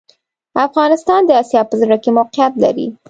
افغانستان د اسیا په زړه کي موقیعت لري